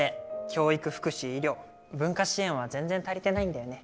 教育福祉医療文化支援は全然足りてないんだよね。